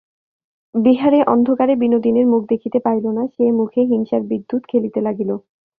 বিহারী অন্ধকারে বিনোদিনীর মুখ দেখিতে পাইল না, সে মুখে হিংসার বিদ্যুৎ খেলিতে লাগিল।